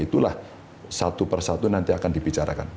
itulah satu persatu nanti akan dibicarakan